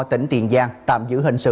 tỉnh tiền giang tạm giữ hình sự